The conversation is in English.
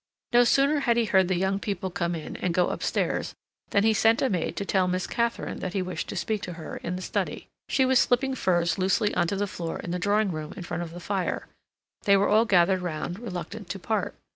No sooner had he heard the young people come in and go upstairs than he sent a maid to tell Miss Katharine that he wished to speak to her in the study. She was slipping furs loosely onto the floor in the drawing room in front of the fire. They were all gathered round, reluctant to part.